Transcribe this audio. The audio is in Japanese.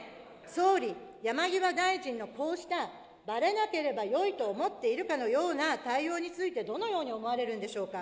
総理、山際大臣のこうしたばれなければよいと思っているかのような、対応について、どのように思われるんでしょうか。